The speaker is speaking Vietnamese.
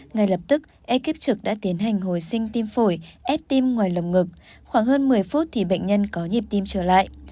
ngay lập tức ekip trực đã tiến hành hồi sinh tim phổi ép tim ngoài lồng ngực khoảng hơn một mươi phút thì bệnh nhân có nhịp tim trở lại